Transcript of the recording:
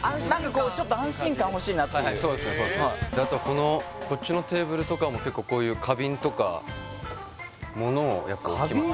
こうちょっと安心感ほしいなっていうあとこのこっちのテーブルとかも結構こういう花瓶とか物をやっぱ置きますね